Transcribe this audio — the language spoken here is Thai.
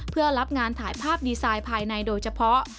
เพื่อรับงานถ่ายภาพดีไซน์ภายในโดยเฉพาะ